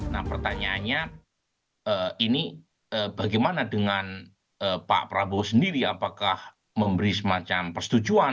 nah pertanyaannya ini bagaimana dengan pak prabowo sendiri apakah memberi semacam persetujuan